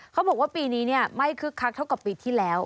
เขาบอกว่าปีนี้ไม่คึกคักเท่ากับปีที่แล้ว